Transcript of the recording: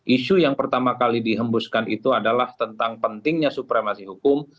isu yang pertama kali dihembuskan itu adalah tentang pentingnya supremasi hukum